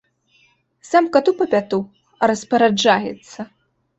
Сам кату па пяту, а распараджаецца.